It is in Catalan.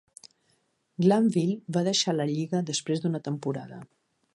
Glanville va deixar la lliga després d'una temporada.